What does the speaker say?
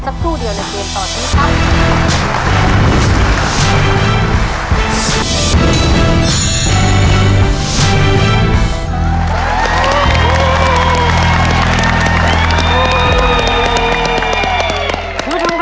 ตัวเลือดที่๓ม้าลายกับนกแก้วมาคอ